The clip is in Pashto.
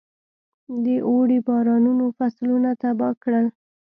د اوړي بارانونو فصلونه تباه کړل.